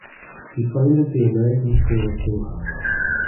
He founded the American School of Doha.